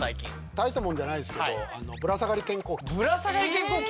大したもんじゃないですけどぶら下がり健康器！